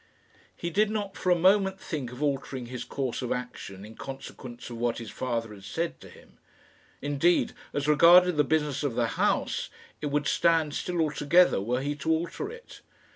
He did not for a moment think of altering his course of action in consequence of what his father had said to him. Indeed, as regarded the business of the house, it would stand still altogether were he to alter it.